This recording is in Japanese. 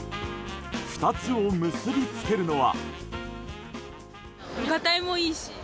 ２つを結びつけるのは。